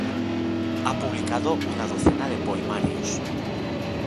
Ha publicado una docena de poemarios.